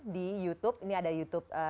di youtube ini ada youtube